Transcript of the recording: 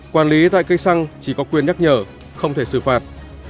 quản lý tại cây xăng chỉ có quyền nhắc nhở không thể xử phạt